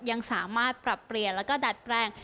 ยังสามารถปรับเปลี่ยนแล้วก็ดัดแปลง